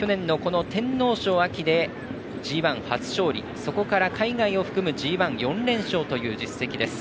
去年の天皇賞でＧＩ初勝利そこから海外を含むＧＩ４連勝という実績です。